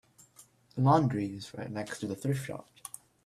The laundry is right next to the thrift shop.